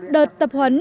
đợt tập huấn